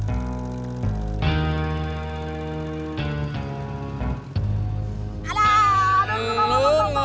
ada ada rumah bang